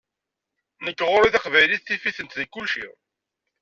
Nekk ɣur-i Taqbaylit tif-itent di kulci.